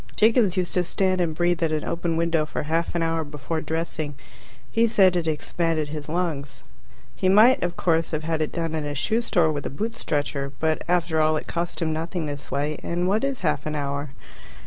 Jiggins used to stand and breathe at an open window for half an hour before dressing. He said it expanded his lungs. He might, of course, have had it done in a shoe store with a boot stretcher, but after all it cost him nothing this way, and what is half an hour?